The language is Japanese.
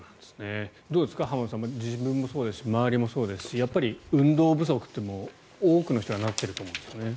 どうですか、浜田さん自分もそうですし周りもそうですし運動不足というのは多くの人がなっているということです。